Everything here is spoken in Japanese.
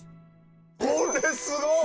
これすごい！